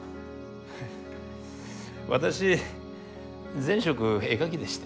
はい私前職絵描きでして。